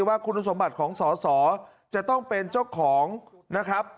ว่าคุณสมบัติของสอสอจะต้องเป็นเจ้าของนะครับ